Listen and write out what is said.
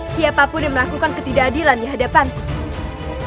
siapapun yang melakukan ketidakadilan di hadapan